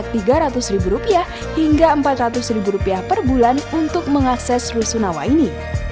sejak tiga ratus rupiah hingga empat ratus rupiah per bulan untuk mengakses rusunawa ini